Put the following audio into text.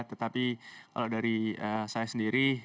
tetapi kalau dari saya sendiri